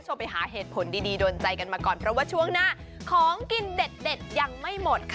จะไปหาเหตุผลดีดนใจแล้วการสั่งของกินเด็ดยังไม่หมด